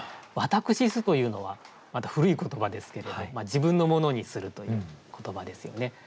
「私す」というのはまた古い言葉ですけれど自分のものにするという言葉ですよね。